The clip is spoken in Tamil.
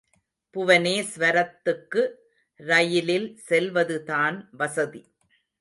புவனேஸ்வரத்துக்கு ரயிலில் செல்வதுதான் வசதி.